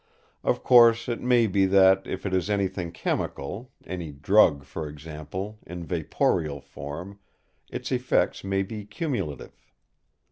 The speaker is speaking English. Of course it may be that if it is anything chemical, any drug, for example, in vaporeal form, its effects may be cumulative.